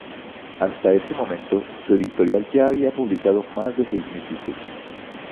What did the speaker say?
Hasta ese momento, su editorial ya había publicado más de seis mil títulos.